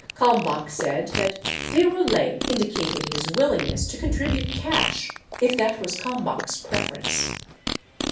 Kalmbach said that De Roulet indicated his willingness to con tribute cash if that was Kalmbach's preference.